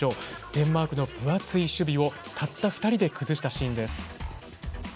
デンマークの分厚い守備をたった２人で崩したシーンです。